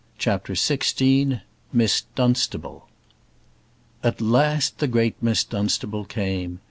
CHAPTER XVI Miss Dunstable At last the great Miss Dunstable came.